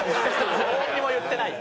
なんにも言ってないよ。